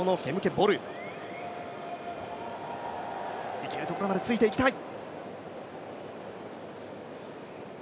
行けるところまでついていきたい。